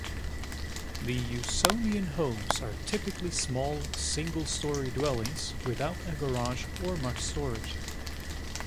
The "Usonian Homes" are typically small, single-story dwellings without a garage or much storage.